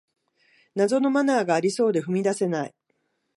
謎のマナーがありそうで踏み出せない